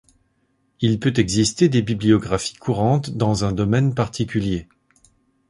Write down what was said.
Il peut exister des bibliographies courantes dans un domaine particulier.